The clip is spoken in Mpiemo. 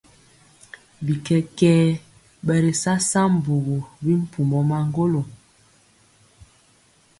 Bikɛkɛ ɓɛ ri sa sambugu bimpumɔ maŋgolo.